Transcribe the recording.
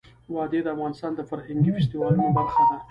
وادي د افغانستان د فرهنګي فستیوالونو برخه ده.